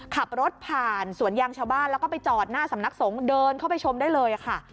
ขับรถผ่านสวนยางชาวบ้านแล้วก็ไปจอดหน้าสำนักสงฆ์เดินเข้าไปชมได้เลยค่ะ